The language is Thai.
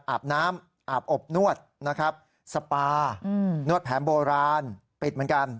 อาบน้ำอาบอบนวดนะครับสปานวดแผนโบราณปิดเหมือนกัน